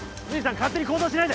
勝手に行動しないで！